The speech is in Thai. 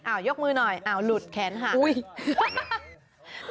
อ้าวยกมือหน่อยอ้าวหลุดแขนห่าง